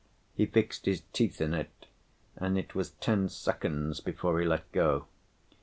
He fixed his teeth in it and it was ten seconds before he let go.